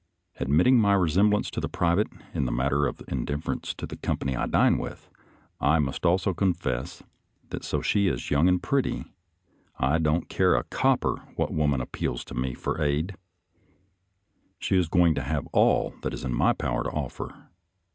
Admitting my resemblance to the private in the matter of indifference to the company I dine with, I must also confess that so she is young and pretty, I don't care a copper what woman appeals to me for aid — she is going to have all that is in my power to offer.